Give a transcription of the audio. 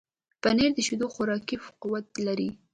پنېر د شیدو خوراکي قوت لري.